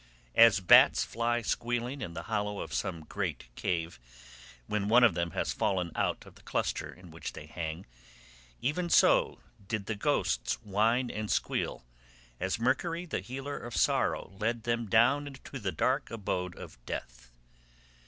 As bats fly squealing in the hollow of some great cave, when one of them has fallen out of the cluster in which they hang, even so did the ghosts whine and squeal as Mercury the healer of sorrow led them down into the dark abode of death.